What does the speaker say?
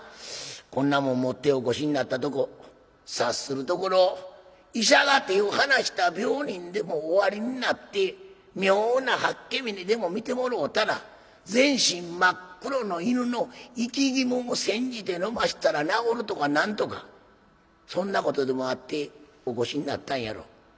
こんなもん持ってお越しになったとこ察するところ医者が手を離した病人でもおありになって妙な八卦見にでも見てもろうたら全身真っ黒の犬の生き肝を煎じてのましたら治るとか何とかそんなことでもあってお越しになったんやろ。